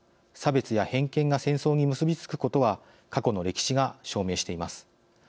差別や偏見が戦争に結び付くことは過去の歴史が証明しています。